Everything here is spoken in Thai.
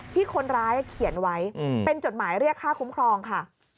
ที่คนร้ายเขียนไว้เป็นจดหมายเรียกค่าคุ้มครองค่ะ